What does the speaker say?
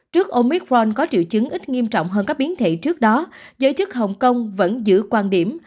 trước omicron có triệu chứng ít nghiêm trọng hơn các biến thể trước đó giới chức hong kong vẫn giữ quan điểm